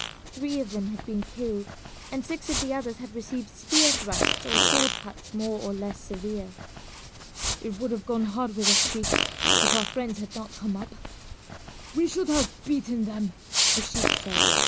Three of them had been killed and six of the others had received spear thrusts or sword cuts more or less severe. "It would have gone hard with us, sheik, if our friends had not come up." "We should have beaten them," the sheik said.